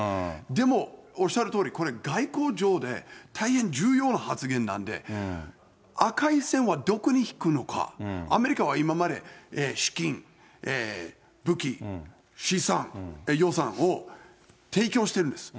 でも、おっしゃるとおり、外交上で大変重要な発言なんで、赤い線はどこに引くのか、アメリカは今まで資金、武器、資産、予算を提供してるんです。